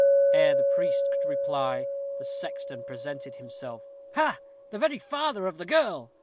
Ere the priest could reply the sexton presented himself. "Ha, the very father of the girl!"